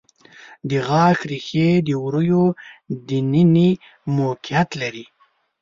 د غاښ ریښې د وریو د ننه موقعیت لري.